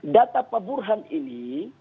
data pak burhan ini